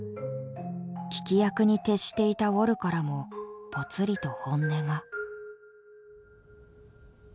聞き役に徹していたウォルからもぽつりと本音が。